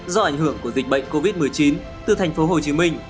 do ảnh hưởng của dịch bệnh covid một mươi chín từ thành phố hồ chí minh